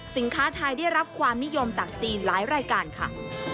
สินค้าไทยได้รับความนิยมจากจีนหลายรายการค่ะ